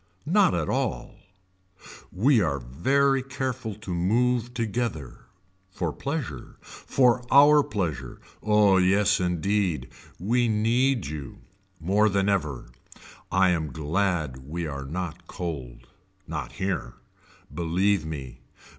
Not at all We are very careful to move together. For pleasure. For our pleasure. Oh yes indeed. We need you. More than ever. I am glad we are not cold. Not here. Believe me.